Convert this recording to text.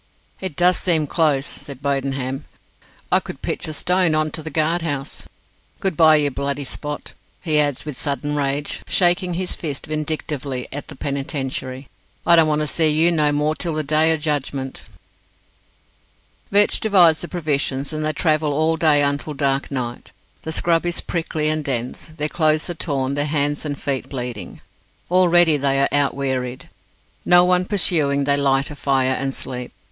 "It does seem close," said Bodenham; "I could pitch a stone on to the guard house. Good bye, you Bloody Spot!" he adds, with sudden rage, shaking his fist vindictively at the Penitentiary; "I don't want to see you no more till the Day o' Judgment." Vetch divides the provisions, and they travel all that day until dark night. The scrub is prickly and dense. Their clothes are torn, their hands and feet bleeding. Already they feel out wearied. No one pursuing, they light a fire, and sleep.